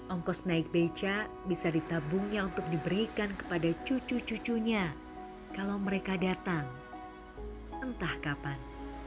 ongkos naik beca bisa ditabungnya untuk diberikan kepada cucu cucunya kalau mereka datang entah kapan